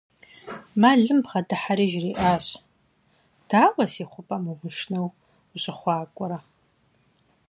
Мэлым бгъэдыхьэри жриӀащ: -Дауэ си хъупӀэм умышынэу ущыхъуакӀуэрэ?